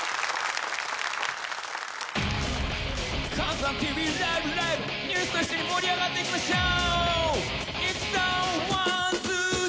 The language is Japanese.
さあ、「ライブ！ライブ！」、ＮＥＷＳと一緒に盛り上がっていきましょう！